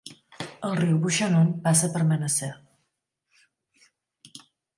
El riu Bouchanoun passa per Menaceur.